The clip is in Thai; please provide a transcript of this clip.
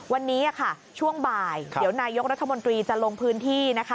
วันนี้ค่ะช่วงบ่ายเดี๋ยวนายกรัฐมนตรีจะลงพื้นที่นะคะ